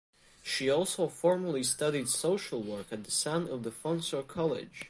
She also formally studied social work at the San Ildefonso College.